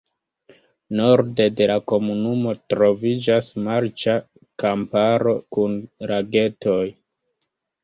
Norde de la komunumo troviĝas marĉa kamparo kun lagetoj.